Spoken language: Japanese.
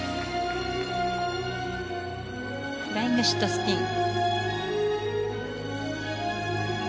フライングシットスピン。